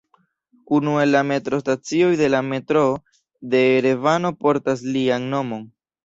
Unu el la metrostacioj de la metroo de Erevano portas lian nomon.